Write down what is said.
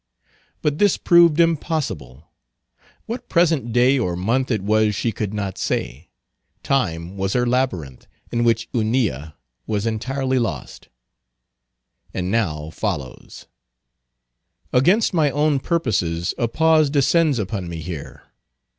But this proved impossible. What present day or month it was she could not say. Time was her labyrinth, in which Hunilla was entirely lost. And now follows— Against my own purposes a pause descends upon me here.